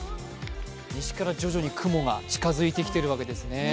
西から徐々に雲が近づいてきているわけですね。